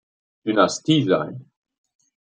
Dynastie sein.